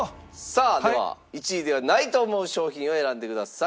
さあでは１位ではないと思う商品を選んでください。